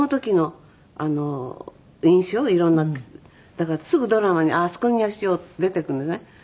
だからすぐドラマにあそこにしようって出てくるんですね。